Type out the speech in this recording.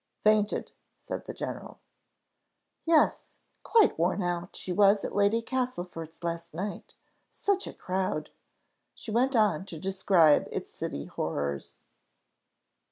"Fainted," said the general. "Yes, quite worn out she was at Lady Castlefort's last night such a crowd!" She went on to describe its city horrors.